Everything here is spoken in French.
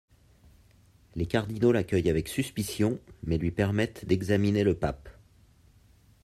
Les cardinaux l'accueillent avec suspicion, mais lui permettent d'examiner le pape.